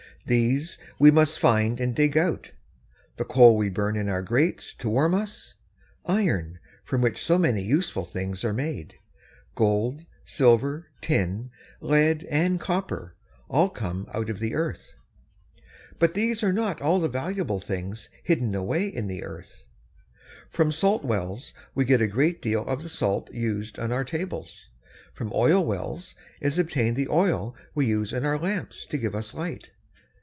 These we must find and dig out. The coal we burn in our grates to warm us; iron, from which so many useful things are made; gold, silver, tin, lead, and copper, all come out of the earth. But these are not all the valuable things hidden away in the earth. From salt wells we get a great deal of the salt used on our tables. From oil wells is obtained the oil we use in our lamps to give us light.